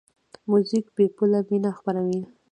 موزیک بېپوله مینه خپروي.